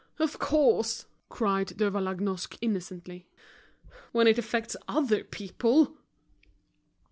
"Of course," cried De Vallagnosc, innocently, "when it affects other people!"